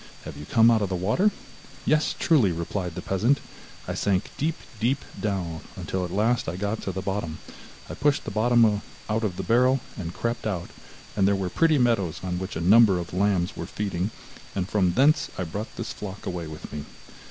Have you come out of the water?' 'Yes, truly,' replied the peasant, 'I sank deep, deep down, until at last I got to the bottom; I pushed the bottom out of the barrel, and crept out, and there were pretty meadows on which a number of lambs were feeding, and from thence I brought this flock away with me.